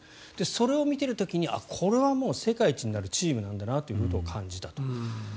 それを見ている時にこれは世界一になるチームなんだなということを感じたと。